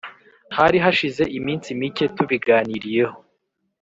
hari hashize iminsi mike tubiganiriyeho.